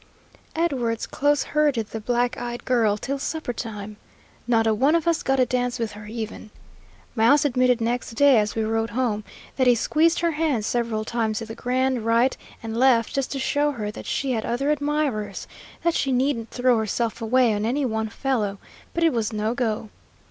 Edwards close herded the black eyed girl till supper time. Not a one of us got a dance with her even. Mouse admitted next day, as we rode home, that he squeezed her hand several times in the grand right and left, just to show her that she had other admirers, that she needn't throw herself away on any one fellow, but it was no go.